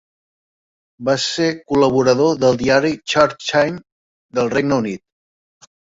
Va ser col·laborador del diari "Church Times" del Regne Unit.